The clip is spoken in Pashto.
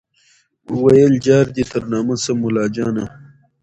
ویل جار دي تر نامه سم مُلاجانه